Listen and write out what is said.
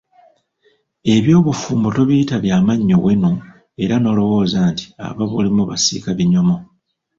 Eby'obufumbo tobiyita bya mannyo wenu era n'olowooza nti ababulimu basiika binyomo!